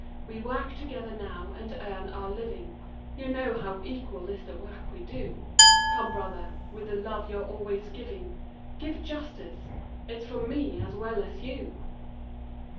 We work together now and earn our living, You know how equal is the work we do; Come, brother, with the love you're always giving, Give justice! It's for me as well as you.